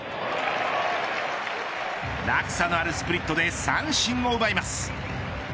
落差のあるスプリットで三振を奪います。